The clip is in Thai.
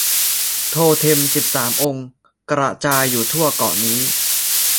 โทเท็มสิบสามองค์กระจายอยู่ทั่วเกาะนี้